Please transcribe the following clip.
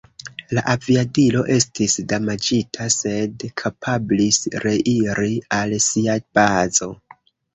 La aviadilo estis damaĝita, sed kapablis reiri al sia bazo.